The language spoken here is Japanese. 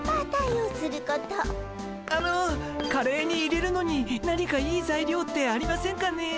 あのカレーに入れるのに何かいいざいりょうってありませんかね？